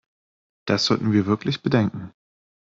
Das sollten wir wirklich bedenken.